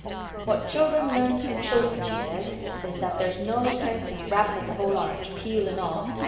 'What children learns from children,' she says, 'is that there's no sense in grabbin' at th' whole orange—peel an' all.